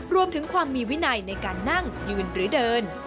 รวมถึงความมีวินัยในการนั่งยืนหรือเดิน